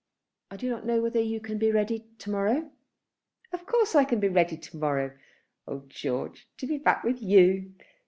"I do not know whether you can be ready to morrow." "Of course I can be ready to morrow. Oh George, to be back with you!